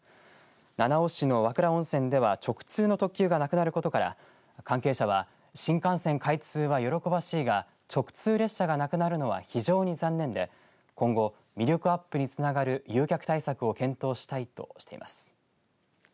七尾市の和倉温泉では直通の特急がなくなることから関係者は新幹線開通は喜ばしいが直通列車がなくなるのは非常に残念で今後、魅力アップにつながる誘客対策を検討したいとしています。